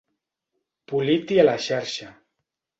Polit i a la xarxa.